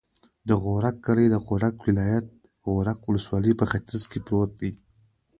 د غورک کلی د غور ولایت، غورک ولسوالي په ختیځ کې پروت دی.